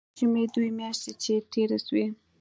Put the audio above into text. د ژمي دوې مياشتې چې تېرې سوې.